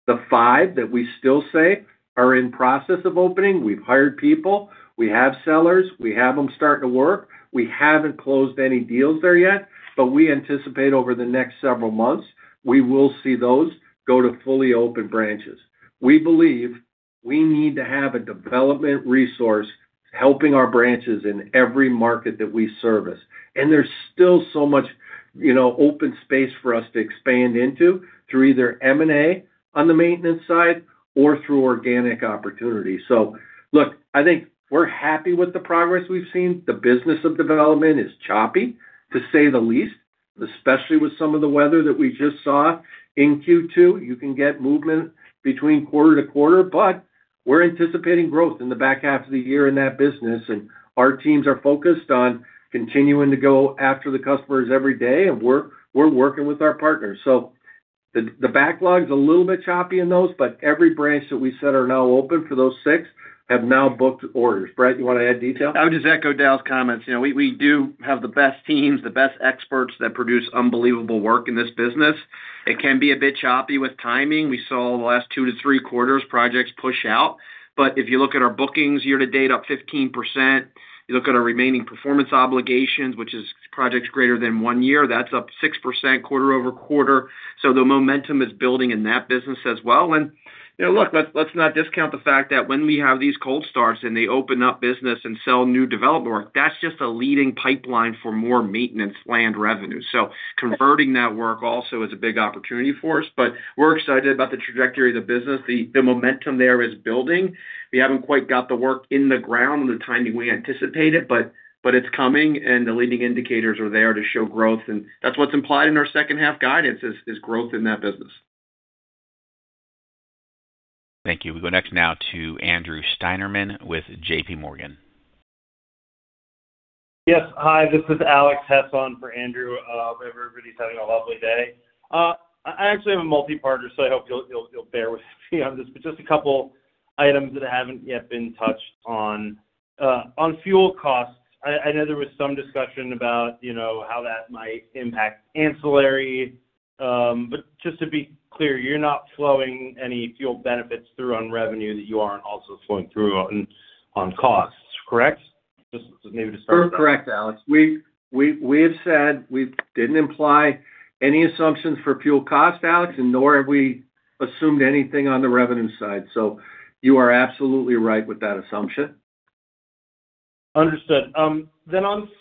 The five that we still say are in process of opening, we've hired people, we have sellers, we have them starting to work. We haven't closed any deals there yet, we anticipate over the next several months, we will see those go to fully open branches. We believe we need to have a Development resource helping our branches in every market that we service. There's still so much, you know, open space for us to expand into through either M&A on the Maintenance side or through organic opportunities. Look, I think we're happy with the progress we've seen. The business of Development is choppy, to say the least, especially with some of the weather that we just saw in Q2. You can get movement between quarter to quarter, we're anticipating growth in the back half of the year in that business. Our teams are focused on continuing to go after the customers every day, we're working with our partners. The backlog's a little bit choppy in those, but every branch that we said are now open for those six have now booked orders. Brett, you want to add detail? I would just echo Dale's comments. You know, we do have the best teams, the best experts that produce unbelievable work in this business. It can be a bit choppy with timing. We saw the last two to three quarters projects push out. If you look at our bookings year to date, up 15%. You look at our Remaining Performance Obligations, which is projects greater than one year, that's up 6% quarter-over-quarter. The momentum is building in that business as well. You know, look, let's not discount the fact that when we have these cold starts and they open up business and sell new development work, that's just a leading pipeline for more maintenance land revenue. Converting that work also is a big opportunity for us. We're excited about the trajectory of the business. The momentum there is building. We haven't quite got the work in the ground and the timing we anticipated, but it's coming and the leading indicators are there to show growth, and that's what's implied in our second half guidance is growth in that business. Thank you. We go next now to Andrew Steinerman with JPMorgan. Yes. Hi, this is Alex Hess on for Andrew. I hope everybody's having a lovely day. I actually have a multi-parter, so I hope you'll bear with me on this. Just a couple items that haven't yet been touched on. On fuel costs, I know there was some discussion about, you know, how that might impact ancillary. Just to be clear, you're not flowing any fuel benefits through on revenue that you aren't also flowing through on costs, correct? Just maybe to start with that. Correct, Alex. We have said we didn't imply any assumptions for fuel cost, Alex, and nor have we assumed anything on the revenue side. You are absolutely right with that assumption. Understood. On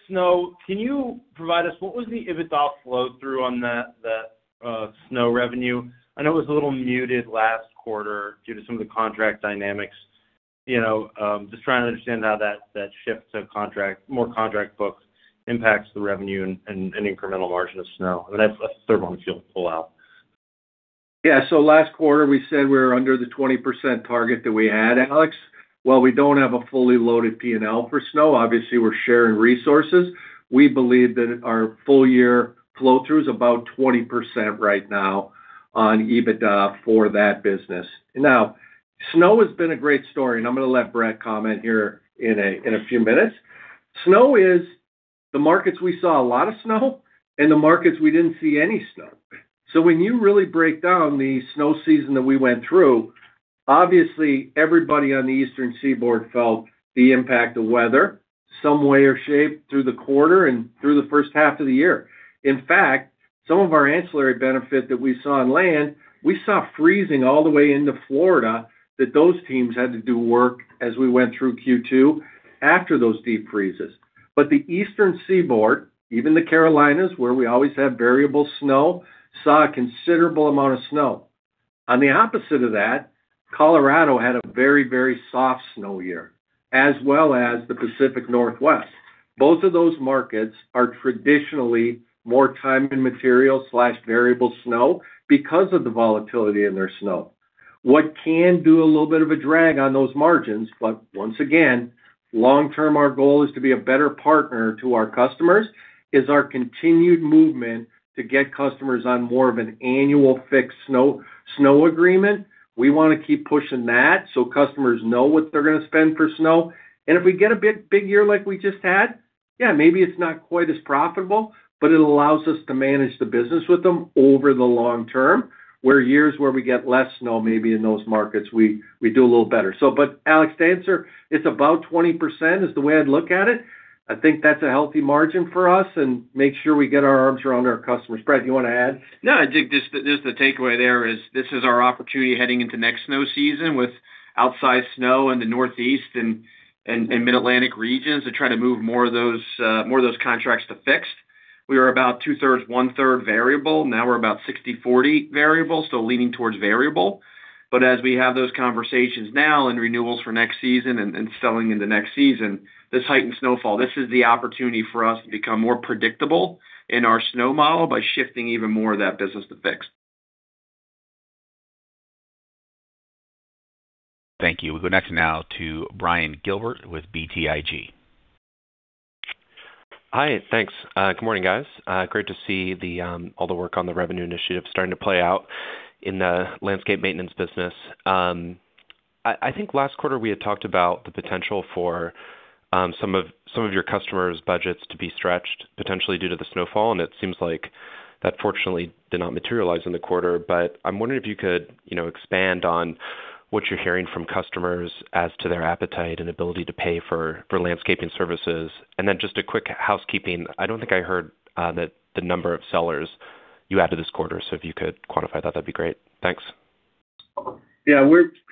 snow, can you provide us what was the EBITDA flow through on that snow revenue? I know it was a little muted last quarter due to some of the contract dynamics. You know, just trying to understand how that shift to more contract books impacts the revenue and incremental margin of snow. That's the third one that you'll pull out. Last quarter, we said we were under the 20% target that we had, Alex Hess. While we don't have a fully loaded P&L for snow, obviously we're sharing resources. We believe that our full year flow through is about 20% right now on EBITDA for that business. Snow has been a great story, and I'm gonna let Brett comment here in a few minutes. Snow is the markets we saw a lot of snow and the markets we didn't see any snow. When you really break down the snow season that we went through, obviously everybody on the Eastern Seaboard felt the impact of weather some way or shape through the quarter and through the first half of the year. Some of our ancillary benefit that we saw on land, we saw freezing all the way into Florida that those teams had to do work as we went through Q2 after those deep freezes. The Eastern Seaboard, even the Carolinas, where we always have variable snow, saw a considerable amount of snow. On the opposite of that, Colorado had a very, very soft snow year, as well as the Pacific Northwest. Both of those markets are traditionally more time and material/variable snow because of the volatility in their snow. What can do a little bit of a drag on those margins, but once again, long term, our goal is to be a better partner to our customers, is our continued movement to get customers on more of an annual fixed snow agreement. We wanna keep pushing that so customers know what they're gonna spend for snow. If we get a big year like we just had, yeah, maybe it's not quite as profitable, but it allows us to manage the business with them over the long term, where years where we get less snow, maybe in those markets, we do a little better. Alex, the answer, it's about 20% is the way I'd look at it. I think that's a healthy margin for us and make sure we get our arms around our customers. Brett, you wanna add? I think the takeaway there is this is our opportunity heading into next snow season with outside snow in the Northeast and Mid-Atlantic regions to try to move more of those, more of those contracts to fixed. We are about two-third, one-third variable. Now we're about 60/40 variable, so leaning towards variable. As we have those conversations now and renewals for next season and selling into next season, this heightened snowfall, this is the opportunity for us to become more predictable in our snow model by shifting even more of that business to fixed. Thank you. We go next now to Ryan Gilbert with BTIG. Hi, thanks. Good morning, guys. Great to see all the work on the revenue initiative starting to play out in the landscape maintenance business. I think last quarter we had talked about the potential for some of your customers' budgets to be stretched potentially due to the snowfall, and it seems like that fortunately did not materialize in the quarter. I'm wondering if you could, you know, expand on what you're hearing from customers as to their appetite and ability to pay for landscaping services. Just a quick housekeeping. I don't think I heard that the number of sellers you added this quarter, so if you could quantify that'd be great. Thanks. Yeah.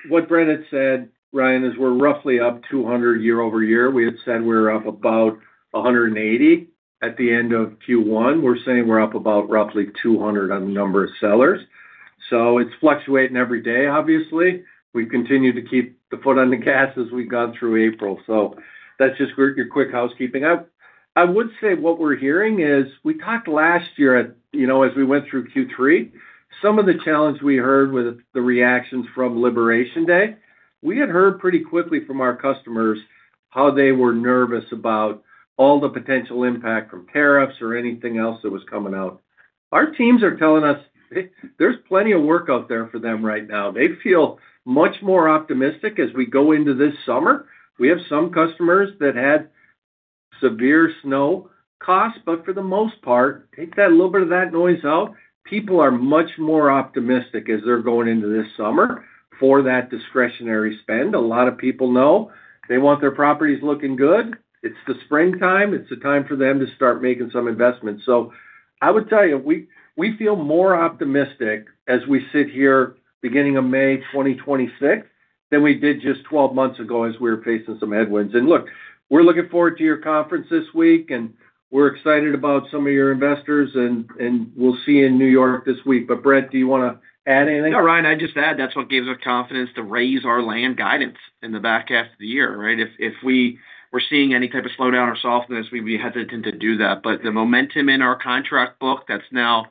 What Brett had said, Ryan, is we're roughly up 200 year-over-year. We had said we were up about 180 at the end of Q1. We're saying we're up about roughly 200 on the number of sellers. It's fluctuating every day, obviously. We've continued to keep the foot on the gas as we've gone through April. That's just your quick housekeeping. I would say what we're hearing is, we talked last year at, you know, as we went through Q3, some of the challenge we heard with the reactions from Liberation Day. We had heard pretty quickly from our customers how they were nervous about all the potential impact from tariffs or anything else that was coming out. Our teams are telling us there's plenty of work out there for them right now. They feel much more optimistic as we go into this summer. We have some customers that had severe snow costs, but for the most part, take that little bit of that noise out, people are much more optimistic as they're going into this summer for that discretionary spend. A lot of people know they want their properties looking good. It's the springtime. It's a time for them to start making some investments. I would tell you, we feel more optimistic as we sit here beginning of May 2026 than we did just 12 months ago as we were facing some headwinds. Look, we're looking forward to your conference this week, and we're excited about some of your investors and we'll see you in New York this week. Brett, do you wanna add anything? No, Ryan, I'd just add that's what gives us confidence to raise our land guidance in the back half of the year, right? If we were seeing any type of slowdown or softness, we'd be hesitant to do that. The momentum in our contract book, that's now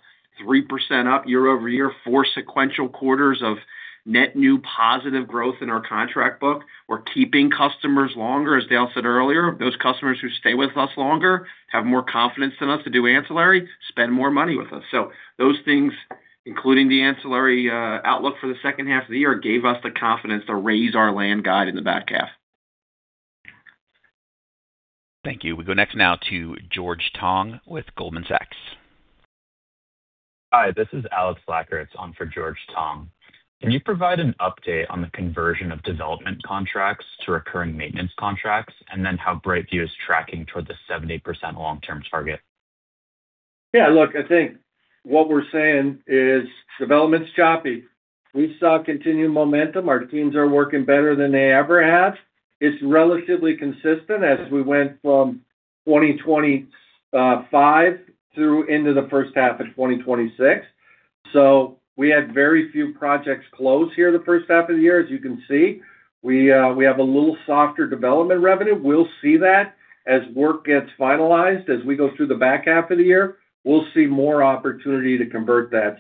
3% up year-over-year, four sequential quarters of net new positive growth in our contract book. We're keeping customers longer, as Dale said earlier. Those customers who stay with us longer have more confidence in us to do ancillary, spend more money with us. Those things, including the ancillary outlook for the second half of the year, gave us the confidence to raise our Land guide in the back half. Thank you. We go next now to George Tong with Goldman Sachs. Hi, this is Alex Lakritz on for George Tong. Can you provide an update on the conversion of development contracts to recurring maintenance contracts, then how BrightView is tracking toward the 70% long-term target? Yeah, look, I think what we're saying is development's choppy. We saw continued momentum. Our teams are working better than they ever have. It's relatively consistent as we went from 2025 through into the first half of 2026. We had very few projects close here the 1st half of the year, as you can see. We have a little softer Landscape Development revenue. We'll see that as work gets finalized. As we go through the back half of the year, we'll see more opportunity to convert that.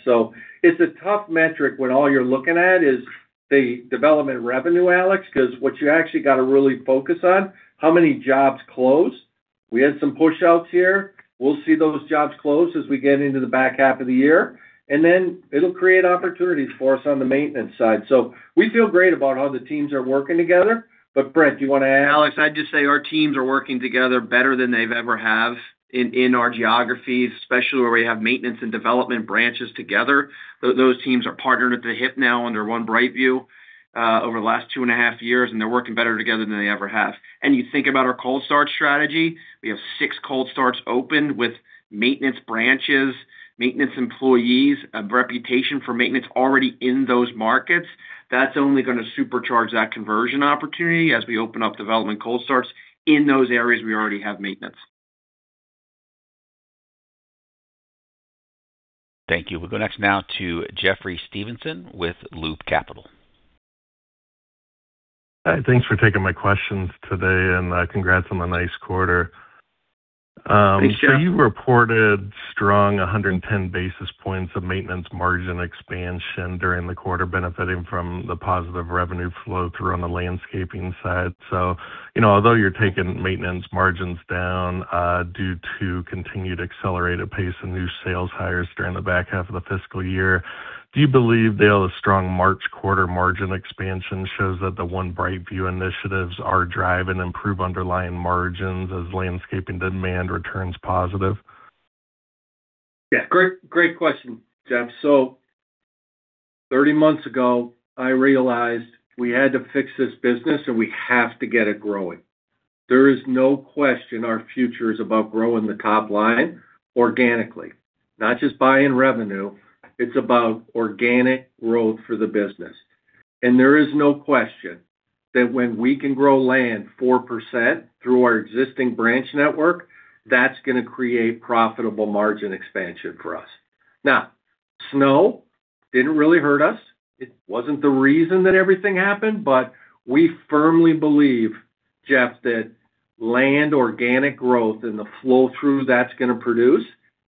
It's a tough metric when all you're looking at is the development revenue, Alex, because what you actually got to really focus on, how many jobs closed. We had some pushouts here. We'll see those jobs close as we get into the back half of the year, and then it'll create opportunities for us on the maintenance side. We feel great about how the teams are working together. Brett, do you wanna add? Alex, I'd just say our teams are working together better than they've ever have in our geographies, especially where we have maintenance and development branches together. Those teams are partnered at the hip now under One BrightView over the last two and half years, and they're working better together than they ever have. You think about our cold start strategy. We have six cold starts opened with maintenance branches, maintenance employees, a reputation for maintenance already in those markets. That's only gonna supercharge that conversion opportunity as we open up development cold starts in those areas we already have maintenance. Thank you. We'll go next now to Jeffrey Stevenson with Loop Capital. Hi. Thanks for taking my questions today, and congrats on a nice quarter. Thanks, Jeff. You reported strong 110 basis points of maintenance margin expansion during the quarter, benefiting from the positive revenue flow through on the landscaping side. You know, although you're taking maintenance margins down due to continued accelerated pace in new sales hires during the back half of the fiscal year, do you believe, Dale, the strong March quarter margin expansion shows that the One BrightView initiatives are driving improved underlying margins as landscaping demand returns positive? Great, great question, Jeff. Thirty months ago, I realized we had to fix this business, and we have to get it growing. There is no question our future is about growing the top line organically. Not just buying revenue, it's about organic growth for the business. There is no question that when we can grow land 4% through our existing branch network, that's gonna create profitable margin expansion for us. Snow didn't really hurt us. It wasn't the reason that everything happened, we firmly believe, Jeff, that land organic growth and the flow-through that's gonna produce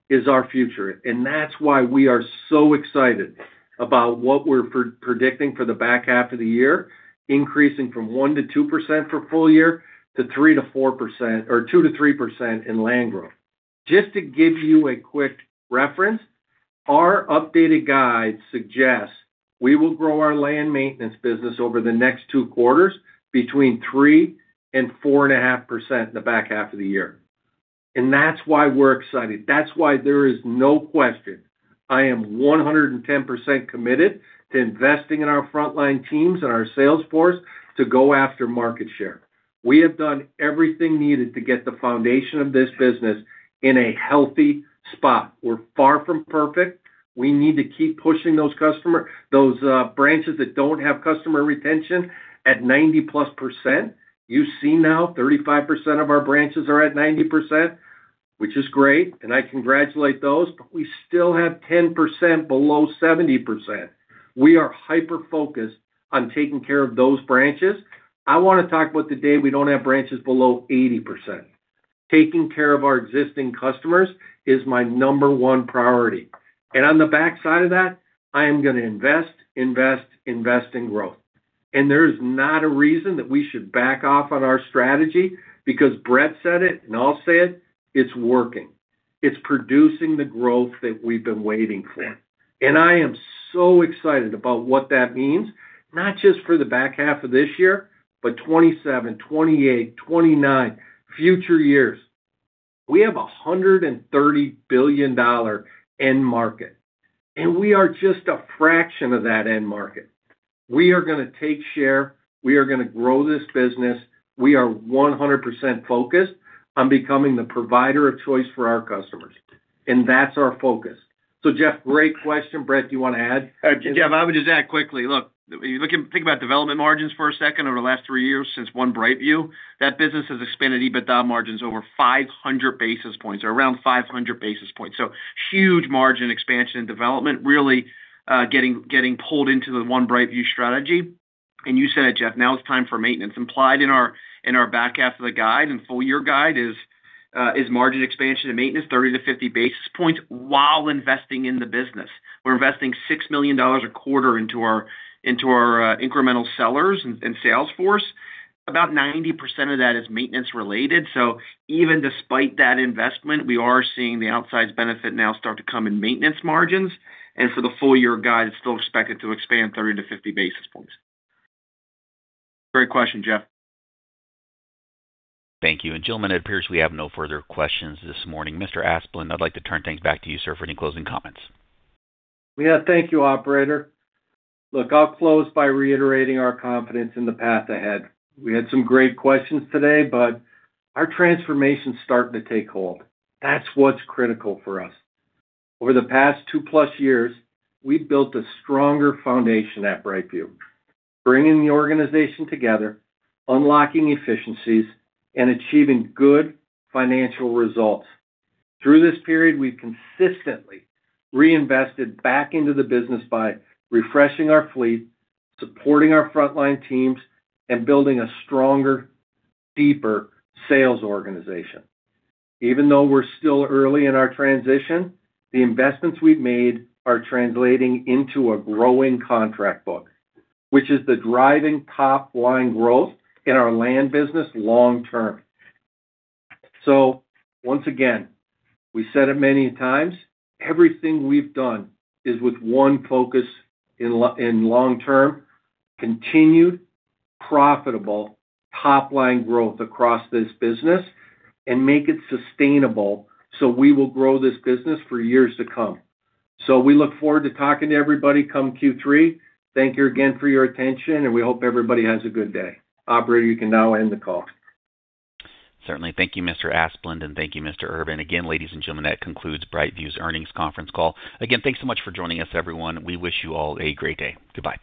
is our future. That's why we are so excited about what we're predicting for the back half of the year, increasing from 1%-2% for full year to 3%-4% or 2%-3% in land growth. Just to give you a quick reference. Our updated guide suggests we will grow our land maintenance business over the next two quarters between 3% and 4.5% in the back half of the year. That's why we're excited. That's why there is no question I am 110% committed to investing in our frontline teams and our sales force to go after market share. We have done everything needed to get the foundation of this business in a healthy spot. We're far from perfect. We need to keep pushing those customer, those branches that don't have customer retention at 90%+. You see now 35% of our branches are at 90%, which is great, and I congratulate those, but we still have 10% below 70%. We are hyper-focused on taking care of those branches. I wanna talk about the day we don't have branches below 80%. Taking care of our existing customers is my number one priority. On the backside of that, I am gonna invest, invest in growth. There's not a reason that we should back off on our strategy because Brett said it and I'll say it's working. It's producing the growth that we've been waiting for. I am so excited about what that means, not just for the back half of this year, but 2027, 2028, 2029, future years. We have a $130 billion end market, and we are just a fraction of that end market. We are gonna take share. We are gonna grow this business. We are 100% focused on becoming the provider of choice for our customers, and that's our focus. Jeff, great question. Brett, do you wanna add? Yeah. I would just add quickly. You think about Development margins for a second over the last three years since One BrightView, that business has expanded EBITDA margins over 500 basis points or around 500 basis points. Huge margin expansion and development, really getting pulled into the One BrightView strategy. You said it, Jeff, now it's time for Maintenance. Implied in our back half of the guide and full-year guide is margin expansion and Maintenance, 30-50 basis points while investing in the business. We're investing $6 million a quarter into our incremental sellers and sales force. About 90% of that is Maintenance related. Even despite that investment, we are seeing the outsized benefit now start to come in Maintenance margins. For the full year guide, it's still expected to expand 30-50 basis points. Great question, Jeffrey. Thank you. Gentlemen, it appears we have no further questions this morning. Mr. Asplund, I'd like to turn things back to you, sir, for any closing comments. Yeah. Thank you, operator. I'll close by reiterating our confidence in the path ahead. We had some great questions today. Our transformation's starting to take hold. That's what's critical for us. Over the past two-plus years, we've built a stronger foundation at BrightView, bringing the organization together, unlocking efficiencies, and achieving good financial results. Through this period, we've consistently reinvested back into the business by refreshing our fleet, supporting our frontline teams, and building a stronger, deeper sales organization. Even though we're still early in our transition, the investments we've made are translating into a growing contract book, which is the driving top-line growth in our land business long term. Once again, we said it many times, everything we've done is with one focus in long term: continued profitable top-line growth across this business and make it sustainable. We will grow this business for years to come. We look forward to talking to everybody come Q3. Thank you again for your attention, and we hope everybody has a good day. Operator, you can now end the call. Certainly. Thank you, Mr. Asplund, and thank you, Mr. Urban. Again, ladies and gentlemen, that concludes BrightView's earnings conference call. Again, thanks so much for joining us, everyone. We wish you all a great day. Goodbye.